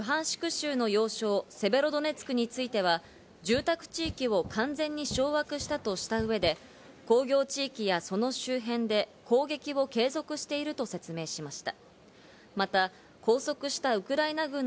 州の要衝セベロドネツクについては、住宅地域を完全に掌握したとした上で、工場地域やその周辺で攻撃を継続していると説明しました。